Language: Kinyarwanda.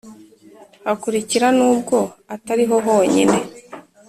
hakurikira nubwo atari ho honyine